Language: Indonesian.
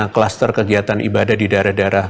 kluster kegiatan ibadah di daerah daerah